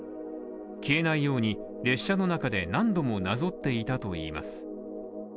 消えないように列車の中で何度もなぞっていたといいます。